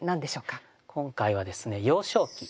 今回はですね「幼少期」ですね。